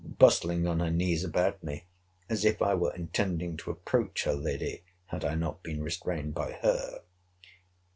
—bustling on her knees about me, as if I were intending to approach her lady, had I not been restrained by her.